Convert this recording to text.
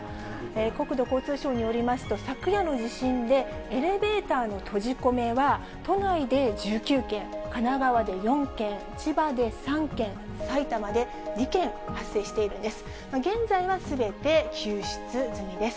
国土交通省によりますと、昨夜の地震でエレベーターの閉じ込めは、都内で１９件、神奈川で４件、千葉で３件、埼玉で２件発生しているんです。